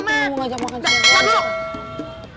maksudnya apa sih